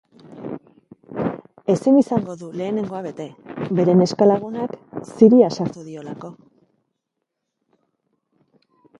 Ezin izango du lehenengoa bete, bere neska-lagunak ziria sartu diolako.